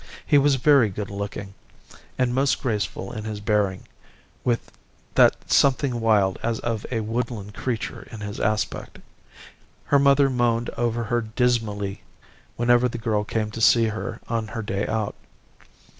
He was very good looking, and most graceful in his bearing, with that something wild as of a woodland creature in his aspect. Her mother moaned over her dismally whenever the girl came to see her on her day out.